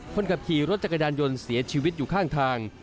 คนขับขี่รถจักรยานยนต์เสียชีวิตอยู่ข้างทาง